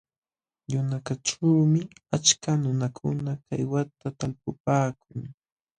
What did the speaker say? Yunakaćhuumi achka nunakuna kaywata talpupaakun.